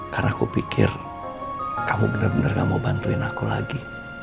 karena aku pikir kamu bener bener gak mau bantuin aku lagi